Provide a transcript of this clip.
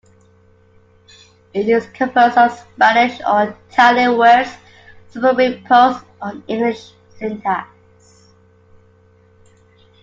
It is composed of Spanish or Italian words superimposed on English syntax.